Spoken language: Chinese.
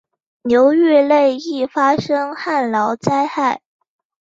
流域内易发生旱涝灾害。